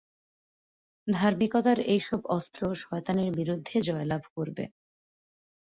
ধার্মিকতার এইসব অস্ত্র শয়তানের বিরূদ্ধে জয়লাভ করবে।